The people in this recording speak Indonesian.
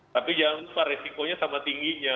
tapi jangan lupa resikonya sama tingginya